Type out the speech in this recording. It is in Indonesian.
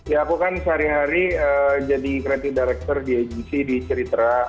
ya aku kan sehari hari jadi creative director di agc di cerita